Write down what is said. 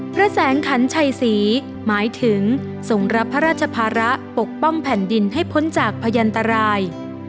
พระแสงขันชัยศรีหมายถึงส่งรับพระราชภาระปกป้องแผ่นดินให้พ้นจากพยันตราย